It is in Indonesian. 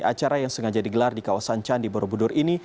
acara yang sengaja digelar di kawasan candi borobudur ini